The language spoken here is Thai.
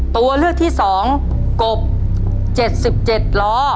ตัวเลือกที่๒กบ๗๗ล้อ